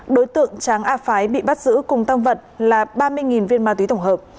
đối tượng tráng a phái bị bắt giữ cùng tăng vật là ba mươi viên ma túy tổng hợp